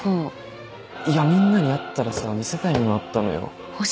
・いやみんなに会ったらさ見せたいものあったのよ。